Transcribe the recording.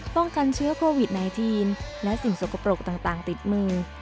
ป้องกันเชื้อโควิด๑๙และสิ่งสกปรกต่างติดมือ